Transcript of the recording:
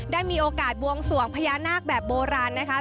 ได้มีโอกาสบวงสวงพญานาคแบบโบราณนะคะ